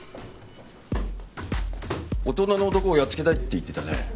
大人の男をやっつけたいって言ってたね。